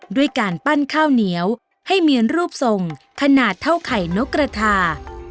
ด้วยการปั้นข้าวเหนียวให้มีรูปทรงขนาดเท่าไข่นกกระทา